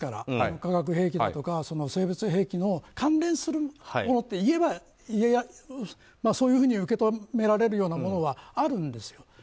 化学兵器だとか生物兵器に関連するものといえばそういうふうに受け止められるようなものはあるんですよ。